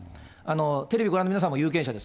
テレビご覧の皆さん有権者です。